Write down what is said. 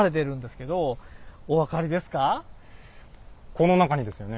この中にですよね？